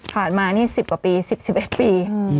มานี่๑๐กว่าปี๑๐๑๑ปี